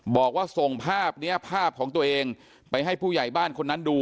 บอกว่าส่งภาพนี้ภาพของตัวเองไปให้ผู้ใหญ่บ้านคนนั้นดู